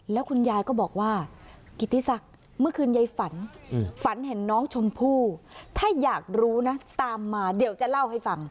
แล้วคุณยายก็บอกว่ากิติศักดิ์เมื่อคืนยายฝันฝันเห็นน้องชมพู่ถ้าอยากรู้นะตามมาเดี๋ยวจะเล่าให้ฟัง